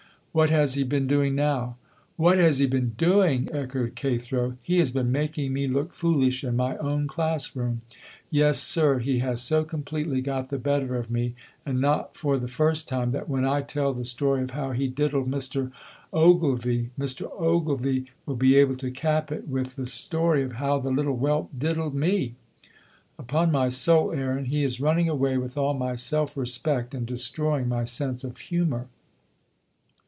"What has he been doing now?" "What has he been doing!" echoed Cathro. "He has been making me look foolish in my own class room. Yes, sir, he has so completely got the better of me (and not for the first time) that when I tell the story of how he diddled Mr. Ogilvy, Mr. Ogilvy will be able to cap it with the story of how the little whelp diddled me. Upon my soul, Aaron, he is running away with all my self respect and destroying my sense of humor."